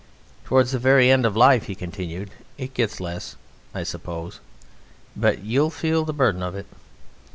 "Towards the very end of life," he continued, "it gets less, I suppose, but you'll feel the burden of it."